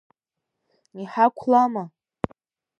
Иҳақәлама?